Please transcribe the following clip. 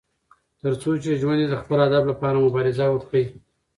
تر څو چې ژوند وي، د خپل هدف لپاره مبارزه وکړه.